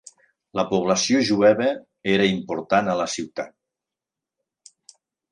La població jueva era important a la ciutat.